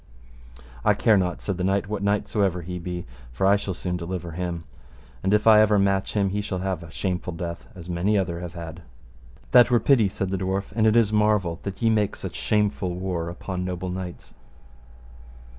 I care not, said the knight, what knight so ever he be, for I shall soon deliver him. And if I ever match him he shall have a shameful death as many other have had. That were pity, said the dwarf, and it is marvel that ye make such shameful war upon noble knights.